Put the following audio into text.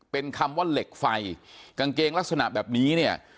เป็นคำว่าเหล็กไฟกางเกงลักษณะแบบนี้เนี่ย